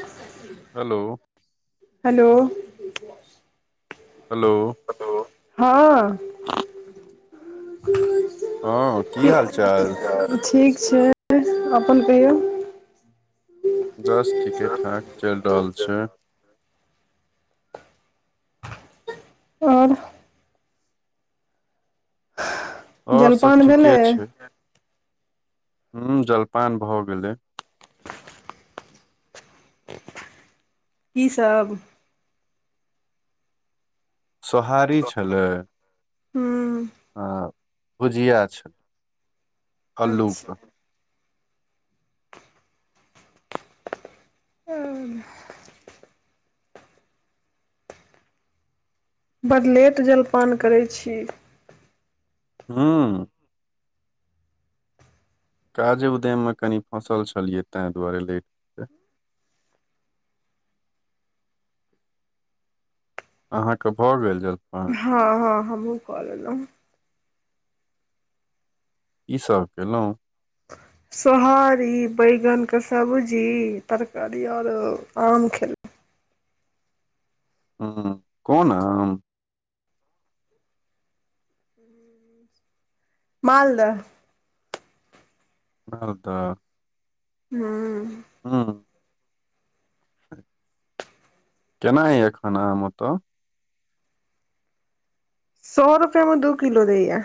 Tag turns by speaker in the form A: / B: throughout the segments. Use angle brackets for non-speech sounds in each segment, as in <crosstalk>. A: ा C <inaudible>
B: hello
A: hello
B: hello
A: hello हँ
B: हँ की हाल चाल
A: ठीक छै अपन कहियौ
B: बस ठीके ठाक चलि रहल छै
A: आओर
B: और सब
A: जलपान भेलै
B: ठीके ह जलपान भए गेलै
A: की सब
B: सोहारी छलै
A: हूँ
B: आ भुजिया छ
A: अच्छा
B: अल्लूके
A: आ बड लेट जलपान करैत छी
B: हँ काजे उद्ययम मे कनि फँसल छलियै तां दुआरे लेट भेलै अहाँके भऽ गेल जलपन
A: हँ हँ हमहुँ कऽ लेलहुँ
B: की सब कयलहुँ
A: <inaudible> सोहारी बैगनके सब्जी तरकारी आओरो आम खेलहु
B: ह कोन आम
A: मालदह
B: मालदह
A: हँ
B: हँ केना य एखन आम ओतऽ
A: सए रुपआमे दू किलो दय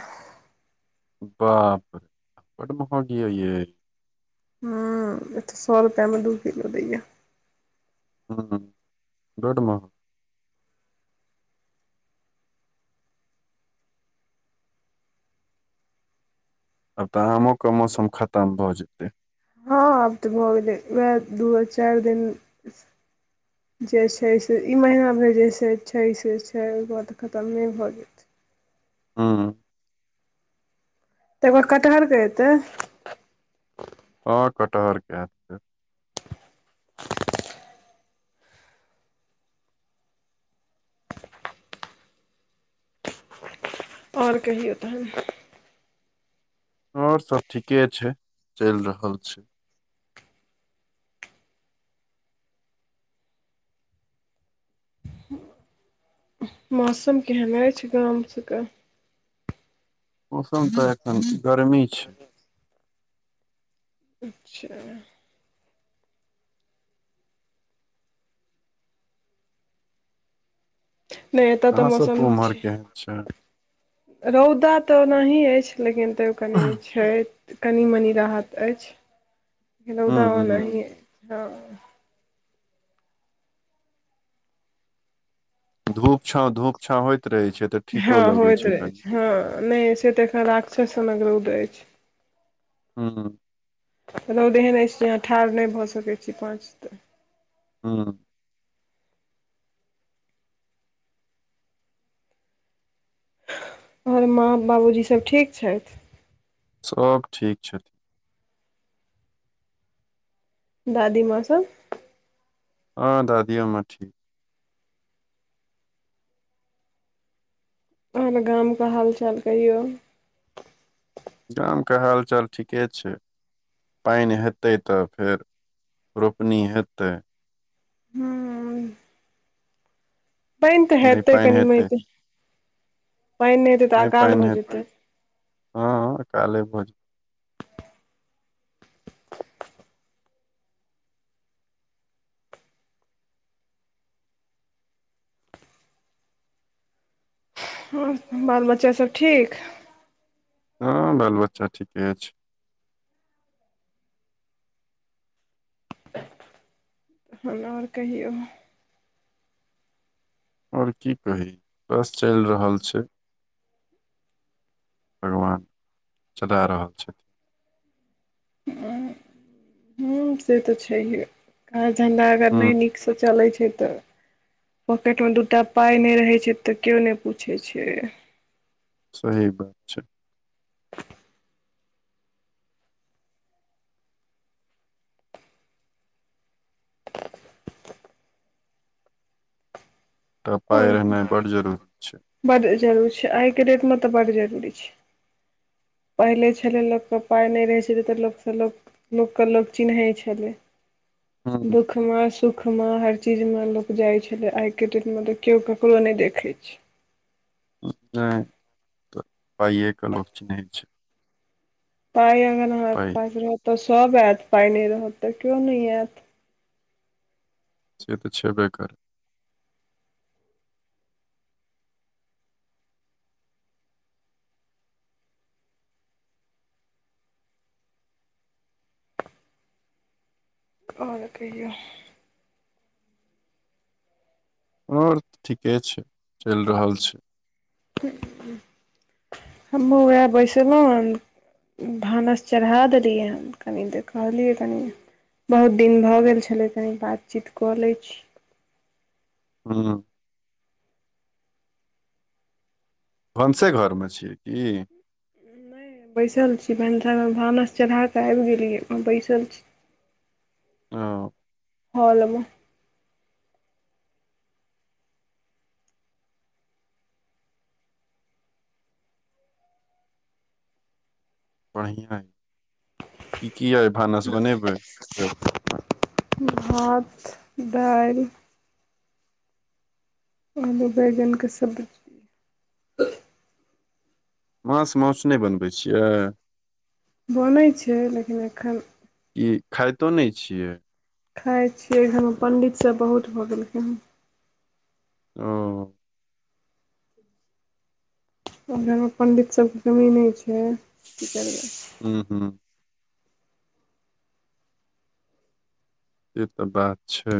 B: बाप बड महगी य ये
A: हूँ ए तऽ सए रुपआमे दू कििलो दए
B: हूँ बड महग आब तऽ आमो के मौसम खतम भऽ जेतै
A: हँ आब तऽ मो गेल वएह दू चारि दिन जे छै से ई महीनामे जे से छै से छै ओ ब तऽ खतम नहि भऽ गेल
B: हँ
A: तऽर कटहरके एतै
B: हँ कटहरके फेर
A: आओर कहियौ तन
B: आऔर सब ठीके छै चलि रहल छै
A: मौसम केहन आ छै गाम सब क
B: मौसम तऽ एखन गर्मी छै
A: अच्छा नहि एतऽ तऽ
B: अहाँ
A: मौसम
B: सबके उम्हर
A: छै
B: केहन छै
A: रौदा तऽ ओनाही अछि लेकिन तऽ कनि छै कनि मनी राहत अछि रौदा
B: हूँ
A: ओनाही अछि हँ
B: धूप छा धूप छा होइत रहै छै तऽ
A: हँ
B: ठीको लगै
A: होइत रहे
B: कनि
A: छै हँ नहि से तऽ एखन राक्षस रौद अछि
B: हँ
A: रौद एहन अछि जे अहाँ ठाढ़ नहि भऽ सकैत छी पाँच तऽ
B: हँ
A: आओर माँ बाबूजी सब ठीक छथि
B: सब ठीक छै
A: दादीमाँ सब
B: हँ दादियौमे ठीक
A: हर गामके हालचाल कहिौ
B: गामके हालचाल ठीके छै पानि हेतै तऽ फेर रोपनी हेतै
A: हूँ बैन तऽ
B: नहि
A: हतैक
B: पानि हेतै
A: निमत बैनत
B: नहि पानि हेतै हँ अकाले भोज
A: हँ बाल बच्चाभ ठीक
B: हँ बाल बच्चा ठीके छै
A: ह आओर कहियौ
B: और की कही बस चलि रहल छै भगवान चला रहल छथि
A: आ <unintelligible> ह से तऽ छैहे काज धन्धा अगर
B: हूँ
A: नहि नीकसँ चलै छै तऽ पॉकेट में दूटा पााय नहि रहे छै तऽ केो ने पूछे छै
B: सही बात छै एकटा पााय
A: आओर
B: रहनाइ बड जरूरी छै
A: बड जरूरी छै आइ के डेटमे तऽ बड जरूरी छै पहिले छलै लोकके पाइ नहि रहैत छलै तऽ लोकसँ लोक लोकके लोक चिन्हैत छलै
B: हूँ
A: दुख सुखमे सुखमे हर चीजमे लोक जाइत छलै आइके डेटमे तऽ केओ ककरो नहि देखै छै
B: नहि पइए लोक चिनै छै
A: पाइ अगर अहाँके
B: पाइ
A: पास रहतऽ सभ आयत पाइ नहि रहत तऽ केओ नहि आयत
B: से तऽ छेबे करै
A: आओर कहियौ
B: आओरऽ ठीके छै चलि रहल छै
A: उएह बैसलहुन भानस चढ़ा देलियै हन कनि तऽ कहलियै कनि बहुत दिन भऽ गेल छले तनी बातचीत कऽ ले छी
B: हँ भनसेघरमे छियै कि
A: नहि बैसल छी भनसामे भानस चढ़ा कऽ आब गेलियै बैसल छी <inaudible>
B: ओ
A: हँ लबै
B: बढ़िया ई की यइ भानस बनेबै
A: ह <inaudible> भात दालि आलु बैगन क सब्जि
B: माछ मौस नहि बनबै छियै
A: बनै छै लेकिन एखन
B: ई खाइतो नहि छियै
A: खाय छियै घर पंडित सब बहुत भऽ गेलखिन हेँ
B: ओ
A: ओ घरमे पण्डित सभके कमी नहि छै की करबै
B: हू हू से तऽ बात छै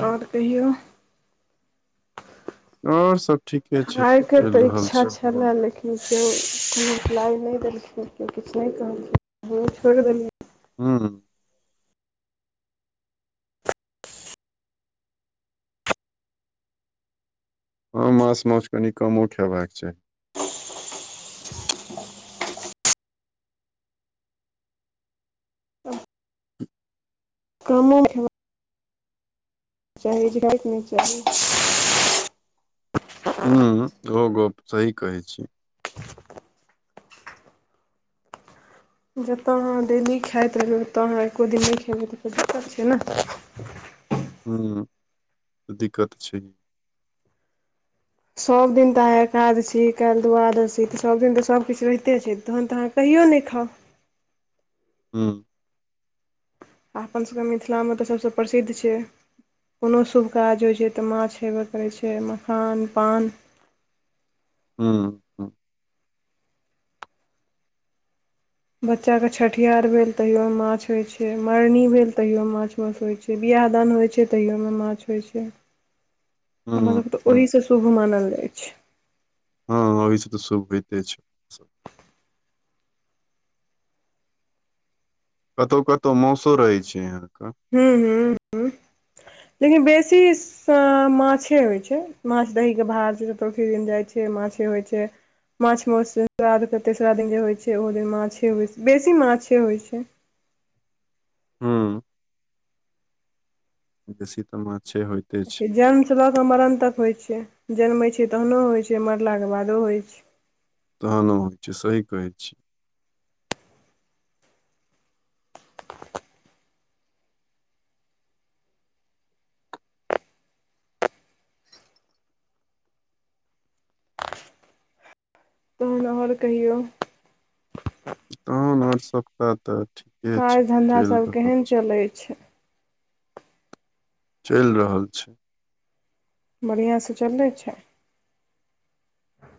A: आओर कहियौ
B: ओर सब ठीके छै चैल रहल छै
A: हमय लेकिन केओ कोनोपलाइ नहि देलखिन केओ किछ नहि कहल ह छोड़ देलियै
B: हू हँ मास मौछ कनि कमो खयबाक चाहि
A: <unintelligible> कम <unintelligible> चाही झके नहि चाही
B: हू ओहो गप सही कहै छी
A: जतय अहाँ डेली खाइत रहै ओतय अहाँ एक्को दिन नहि खेबै तऽ को दिक्कत छै ने
B: ह दिक्कत छै
A: सभ दिन तऽ अहाँ एकादशी काल्हि द्वादशी तऽ सभदिन तऽ सभकिछु रहिते छै तहन तऽ अहाँके कहियो नहि खाउ
B: हँ
A: आपनसभके मिथिलामे तऽ सभसँ प्रसिद्ध छै कोनो शुभ काज होइत छै तऽ माछ हेबय करैत छै मखान पान
B: हँ
A: बच्चा के छठिहार भेल तहियो मे माछ होय छै मरनी भेल तहियो माछ मास होइ छै बियाह दान होइत छै तहियोमे माछ होइत छै हमर
B: हुँ
A: सभके तऽ
B: हुँ
A: ओहिसँ शुभ मानल जाइ छै
B: हँ ओहिसँ तऽ शुभ होइते छै कतहु कतहु मासो रहै छै यहाँके
A: हू हू ह लेकिन बेसी सँ माछे होइत छै माछ दहीके बार छैतौथी दिन जाइत छै माछे होइत छै माछ मौस सरा तेसरा दिन जे होइत छै ओहो दिन माछे होइत छै बेसी माछे होइत छै
B: हुँ बेसी तऽ माछे होइ
A: जन्मसँ लऽ कऽ मरण तक होइत छै जन्मैत छै तहनो होइत छै मरलाके बादो होइत छै
B: तहन होइ छै सही कहै छीयै
A: तोहन आओर कहियौ
B: तहन ओर कतै तऽ छै ठीके
A: काज धन्धा
B: चलि
A: सब
B: रहल
A: केहन चलै छै
B: चैल रहल छै
A: बढ़ियासँ चलै छै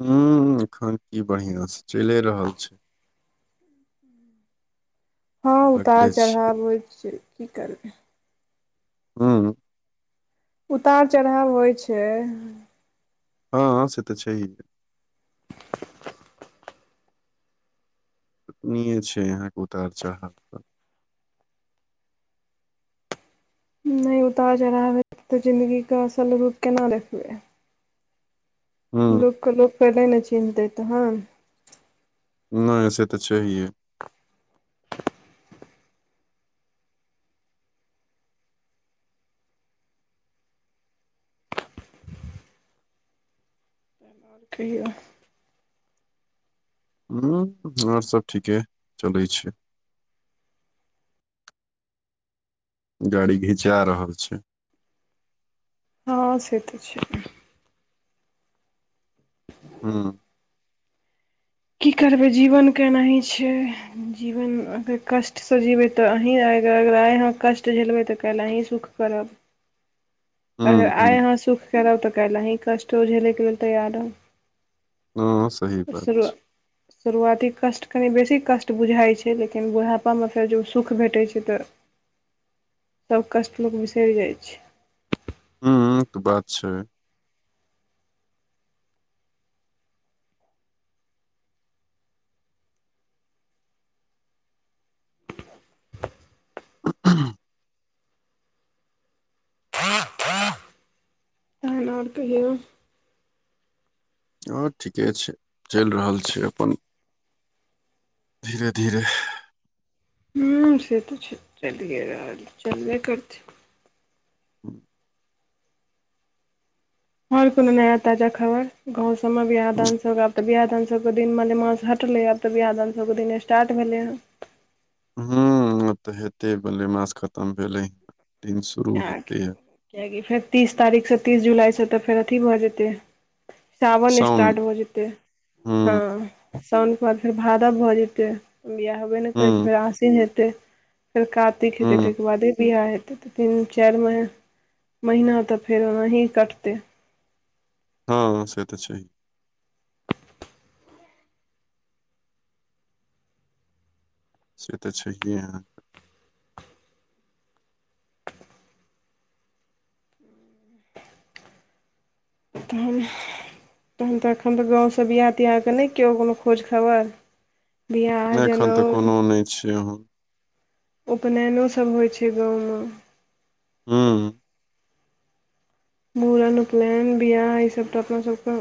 B: हं हं एखन की बढ़ियां से चैले रहल छै
A: हँ उतार
B: लगले छियै
A: चढ़ाबै होए छै की करबै
B: उं
A: उतार चढ़ाव होइ छै
B: हँ से तऽ छहिए निहे छै अहाँ क उतार चराउ
A: नहि उतार चढ़बै हेते तऽ जिन्दगीके असल रूप केना देखबै
B: हुँ,
A: लोग के लोक पहिले ने चिन्हतै तहन
B: नहि ऐसे तऽ छैहिए
A: किया
B: हू आओर सब ठीके चलै छै गाड़ी घिचा रहल छै
A: हँ से तऽ छै
B: हँ
A: <unintelligible> की करबै जीवन केनाही छै जीवन अगर कष्ट क से जीबै तऽ अही आग आइाँ कष्ट झेलबै तऽ काल्ह अही सुख करब अगर
B: हुँ,
A: आइ
B: हुँ,
A: अहाँ सुख करब तऽ काइल आहि कष्टो झेलैक लेल तैयार हो
B: हँ सही बात छै
A: शुरुआती कष्ट कनि बेसी कष्ट बुझाइत छै लेकिन बुढापामे फेर ज सुख भेटैत छै तऽ तब कष्ट लोक बिसरी जाइ छै
B: ह तऽ बात छै <unintelligible>
A: तहन आओर कहियो
B: ओ ठीके छै चैल रहल छै अपन धीरे धीरे
A: हु से तऽ छै <unintelligible> चलि रहल चलबे करत
B: ह्म <inaudible>
A: आर कोनो नया ताजा खबर गाव सब में बियाह दान हो बियाह दान सबके दिन मने मास हटलै आब तऽ बिआह दन सबके दिन स्टार्ट भेलै हं
B: ब तऽ हेते बल्ले मास खतम भेले ह दिन शुरू हेते
A: किएकी फेर तीस तारीखसँ तीस जुलाइसँ तऽ फेर अथी भऽ जेतै सावन
B: साउन
A: स्टार्ट हो जेते
B: हुँ,
A: हँ शाउनके बाद फेर भादव भऽ जेतै बियाह होबे नहि करै छै
B: हुँ,
A: फेर आसिन हेतै फेर कातिक हेै
B: हुँ,
A: ताहिके बादे बियाह हेतै तऽ तीन चारि म महिना तऽ फेर ओनाह कटते
B: हँ से तऽ छैए से तऽ छहिए अहाँके
A: <unintelligible> तहन तऽ एखन तऽ गावसँ बियाह तियाहके नहि क्यों कोनो खोज खबर बियाह जनोउ
B: सुनै छियै अहाँ
A: उपनयनो सभ होइ छै गाँवमे
B: हूं
A: मूरन उपनयन बिआह ई सब तऽ अपना सबके